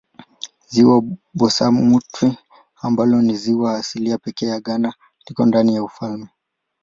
Ziwa Bosumtwi ambalo ni ziwa asilia pekee ya Ghana liko ndani ya ufalme.